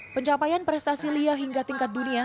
pencapaian prestasi lia hingga tingkat dunia